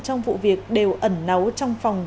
trong vụ việc đều ẩn nấu trong phòng